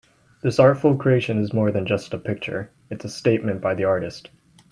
This artful creation is more than just a picture, it's a statement by the artist.